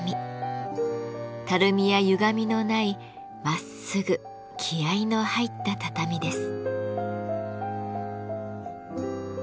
たるみやゆがみのないまっすぐ気合いの入った畳です。